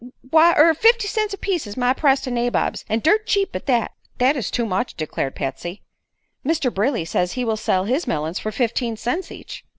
Why er fifty cents a piece is my price to nabobs; an' dirt cheap at that!" "That is too much," declared Patsy. "Mr. Brayley says he will sell his melons for fifteen cents each."